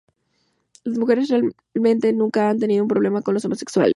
Las mujeres realmente nunca han tenido un problema con los homosexuales.